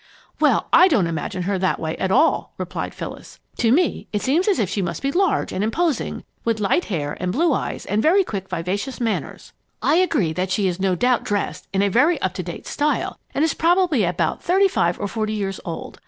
"Well, I don't imagine her that way at all," replied Phyllis. "To me it seems as if she must be large and imposing, with light hair and blue eyes and very quick, vivacious manners. I agree that she is no doubt dressed in a very up to date style, and is probably about thirty five or forty years old.